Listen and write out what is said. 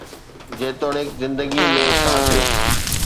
جيتوڻيڪ زندگي ۾ ڇا ٿيو؟